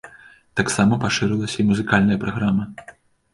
Таксама пашырылася і музыкальная праграма.